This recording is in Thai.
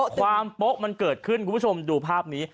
โป๊ะมันเกิดขึ้นคุณผู้ชมดูภาพนี้